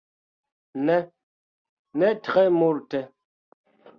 Ne, ne tre multe!